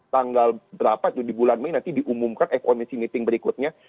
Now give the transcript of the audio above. tanggal berapa di bulan mei nanti diumumkan fomc meeting berikutnya